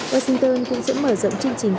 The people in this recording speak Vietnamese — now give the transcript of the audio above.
washington cũng sẽ mở rộng chương trình